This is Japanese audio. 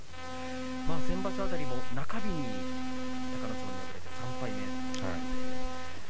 先場所辺りも中日に隆の勝に敗れて３敗目。